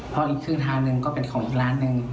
เพราะอีกครึ่งทางหนึ่งก็เป็นของอีกร้านหนึ่ง